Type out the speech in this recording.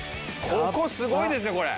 ここすごいですねこれ。